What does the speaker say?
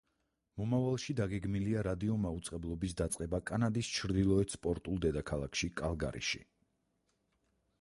მომავალში დაგეგმილია რადიო მაუწყებლობის დაწყება კანადის ჩრდილოეთ სპორტულ დედაქალაქში კალგარიში.